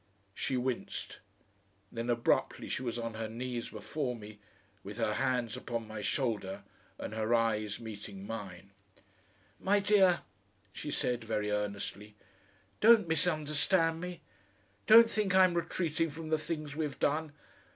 She winced. Then abruptly she was on her knees before me, with her hands upon my shoulder and her eyes meeting mine. "My dear," she said very earnestly, "don't misunderstand me! Don't think I'm retreating from the things we've done!